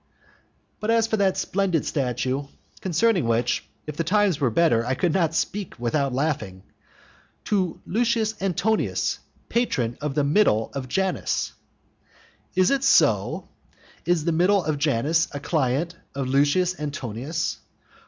But as for that splendid statue, concerning which, if the times were better, I could not speak without laughing, "To Lucius Antonius, patron of the middle of Janus" Is it so? Is the middle of Janus a client of Lucius Antonius?